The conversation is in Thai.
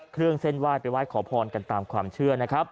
เครื่องเส้นว่ายไปว่ายขอพ้นกันตามความเชื่อ